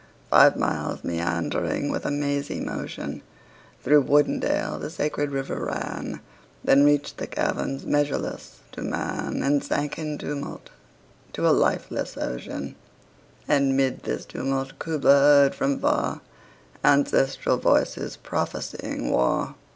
Five miles meandering with a mazy motion 25 Through wood and dale the sacred river ran, Then reach'd the caverns measureless to man, And sank in tumult to a lifeless ocean: And 'mid this tumult Kubla heard from far Ancestral voices prophesying war!